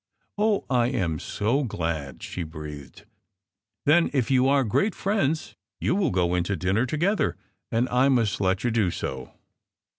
"Oh, I am so glad! * she breathed. "Then, if you are great friends, you will want to go in to dinner together, and I must let you do so."